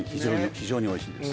非常においしいです